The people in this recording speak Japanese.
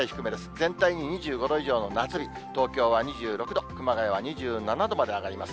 全体に２５度以上の夏日、東京は２６度、熊谷は２７度まで上がります。